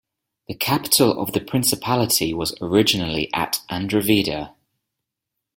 The capital of the principality was originally at Andravida.